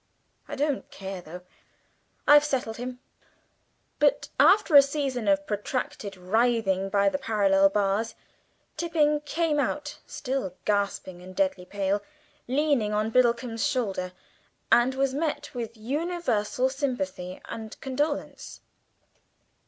I don't care, though. I've settled him." But after a season of protracted writhing by the parallel bars, Tipping came out, still gasping and deadly pale, leaning on Biddlecomb's shoulder, and was met with universal sympathy and condolence.